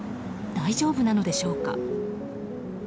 大丈夫なのでしょうか。